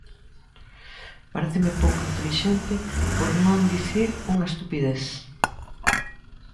Paréceme pouco intelixente por non dicir unha estupidez.